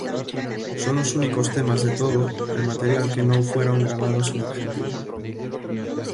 Son los únicos temas de todo el material que no fueron grabados en Argentina.